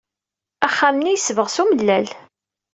Axxam-nni yesbeɣ s umellal.